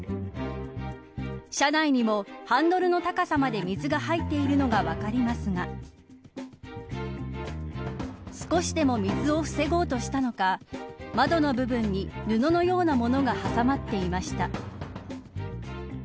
車内にもハンドルの高さまで水が入っているのが分かりますが少しでも水を防ごうとしたのか窓の部分に布のようなものが挟まっていました。